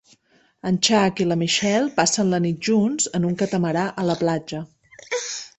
En Chuck i la Michelle passen la nit junts en un catamarà a la platja.